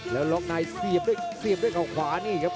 แล้วล็อคไนซีกด้วยเดือดข้อขวานี่ครับ